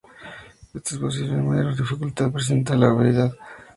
Esta es posiblemente la mayor dificultad presente en la cavidad.